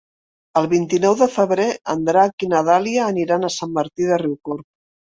El vint-i-nou de febrer en Drac i na Dàlia aniran a Sant Martí de Riucorb.